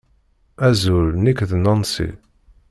Azul, nekk d Nancy.